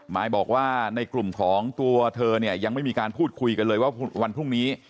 มายบอกว่าในกลุ่มของตัวเธอเนี่ยยังไม่มีการพูดคุยกันเลยว่าวันพรุ่งนี้